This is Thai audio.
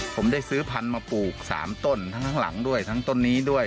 ผมได้ซื้อพันธุ์มาปลูก๓ต้นทั้งหลังด้วยทั้งต้นนี้ด้วย